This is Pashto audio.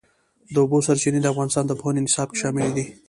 د اوبو سرچینې د افغانستان د پوهنې نصاب کې شامل دي.